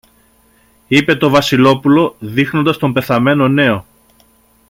είπε το Βασιλόπουλο, δείχνοντας τον πεθαμένο νέο.